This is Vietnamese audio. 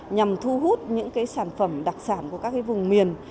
nhằm thu hút những sản phẩm đặc sản của các vùng miền